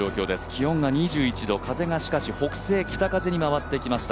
気温が２１度、風がしかし北西、北風に回ってきました。